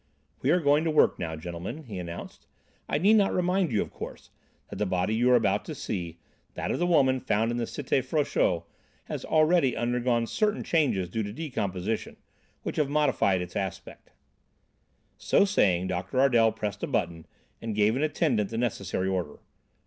"We are going to work now, gentlemen," he announced. "I need not remind you, of course, that the body you are about to see, that of the woman found in the Cité Frochot, has already undergone certain changes due to decomposition, which have modified its aspect." So saying, Dr. Ardel pressed a button and gave an attendant the necessary order.